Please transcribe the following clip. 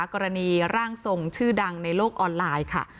กรณีร่างทรงชื่อดังในโลกออนไลน์ค่ะ